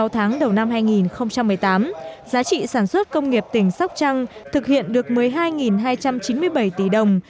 sáu tháng đầu năm hai nghìn một mươi tám giá trị sản xuất công nghiệp tỉnh sóc trăng thực hiện được một mươi hai hai trăm chín mươi bảy tỷ đồng